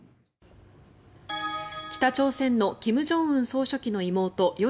北朝鮮の金正恩総書記の妹与